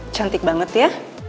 cantik banget ya